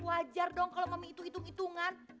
wajar dong kalo mami itu hitung hitungan